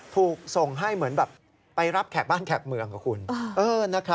ถูกส่งให้เหมือนแบบไปรับแขกบ้านแขกเมืองกับคุณ